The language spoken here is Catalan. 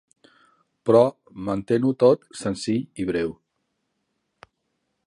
Però mantén-ho tot senzill i breu.